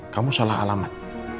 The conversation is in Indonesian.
kamu salah alamat